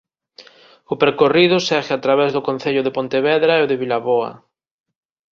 O percorrido segue a través do concello de Pontevedra e o de Vilaboa.